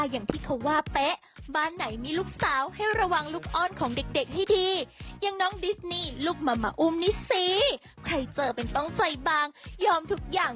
ไม่ใช่หรอกค่ะมั๊วมั๊วมั๊ว